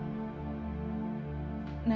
karena mereka cikgu beli belah